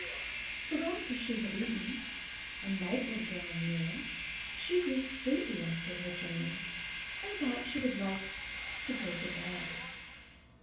So after she had eaten, and night was drawing near, she grew sleepy after her journey, and thought she would like to go to bed.